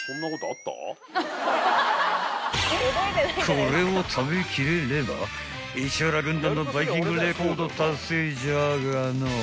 ［これを食べきれれば市原軍団のバイキングレコード達成じゃがのう］